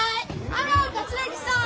あら桂木さん！